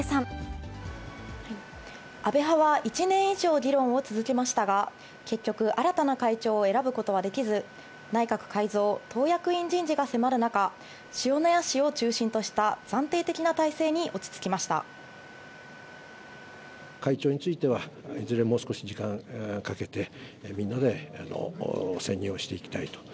安倍派は１年以上議論を続けましたが、結局、新たな会長を選ぶことはできず、内閣改造、党役員人事が迫る中、塩谷氏を中心とした、暫定的な体制に落ち着会長については、いずれもう少し時間かけて、みんなで選任をしていきたいと。